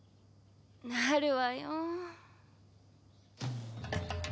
なるわよ。